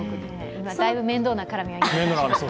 今、だいぶ面倒な絡みをしました